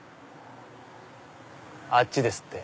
あっちですって。